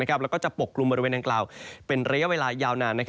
แล้วก็จะปกกลุ่มบริเวณดังกล่าวเป็นระยะเวลายาวนาน